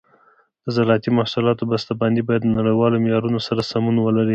د زراعتي محصولاتو بسته بندي باید د نړیوالو معیارونو سره سمون ولري.